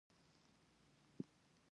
ایا جنګ نه کوي؟